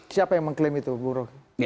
siapa yang mengklaim itu bu roky